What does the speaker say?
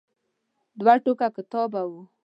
دوه ټوکه کتاب و.